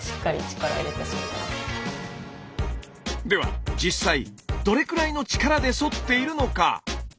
では実際どれくらいの力でそっているのか。